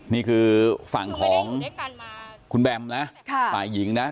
นี่คือฝั่งของคุณแบมนะฝ่ายหญิงนะ